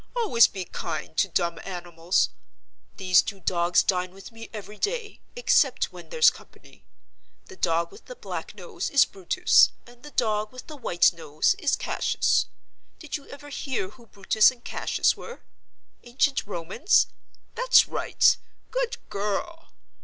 Always be kind to dumb animals. These two dogs dine with me every day, except when there's company. The dog with the black nose is Brutus, and the dog with the white nose is Cassius. Did you ever hear who Brutus and Cassius were? Ancient Romans? That's right— good girl.